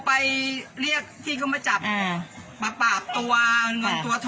ไปเมื่อกี้โทรไปอะไร๑๙๑โทรไป